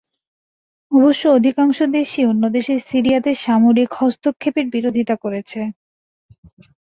অবশ্য, অধিকাংশ দেশই অন্য দেশের সিরিয়াতে সামরিক হস্তক্ষেপের বিরোধিতা করেছে।